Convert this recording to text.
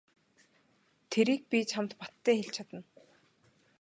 Тэрийг би чамд баттай хэлж чадна.